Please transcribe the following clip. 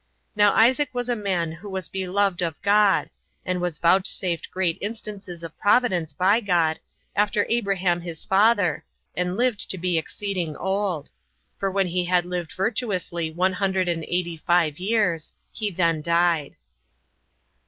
Now Isaac was a man who was beloved of God, and was vouchsafed great instances of providence by God, after Abraham his father, and lived to be exceeding old; for when he had lived virtuously one hundred and eighty five years, he then died.